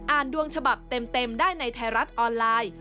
อ่านดวงฉบับเต็มได้ในไทรัศน์ออนไลน์